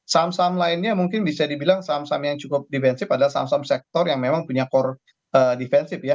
saham saham lainnya mungkin bisa dibilang saham saham yang cukup defensif adalah saham saham sektor yang memang punya core defensive ya